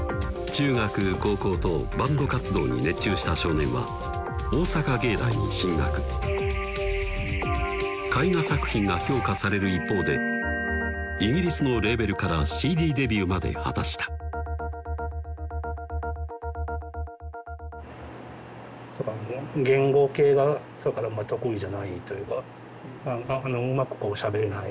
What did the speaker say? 中学・高校とバンド活動に熱中した少年は大阪芸大に進学絵画作品が評価される一方でイギリスのレーベルからＣＤデビューまで果たしたその瞬間はスパイスカレーの聖地